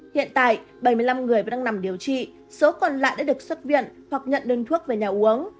hiện tại bảy mươi năm người vẫn đang nằm điều trị số còn lại đã được xuất viện hoặc nhận đơn thuốc về nhà uống